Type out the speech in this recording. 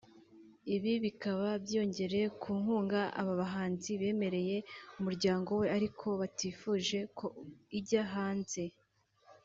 Ibi bikaba byiyongera ku nkunga aba bahanzi bemereye umuryango we ariko batifuje ko ijya hanze